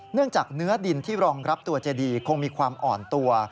เนื่องจากเนื้อดินที่รองรับตัวเจดีคงมีความอ่อนตัว